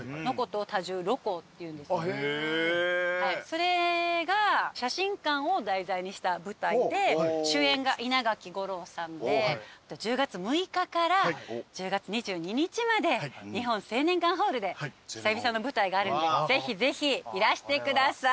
それが写真館を題材にした舞台で主演が稲垣吾郎さんで１０月６日から１０月２２日まで日本青年館ホールで久々の舞台があるんでぜひぜひいらしてください。